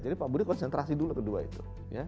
jadi pak budi konsentrasi dulu kedua itu